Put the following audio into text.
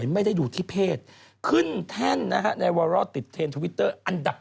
มีคนโดนโกงหรือยะ